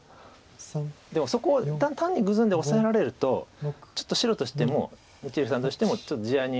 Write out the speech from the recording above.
でもそこ単にグズんでオサえられるとちょっと白としても一力さんとしても地合いに。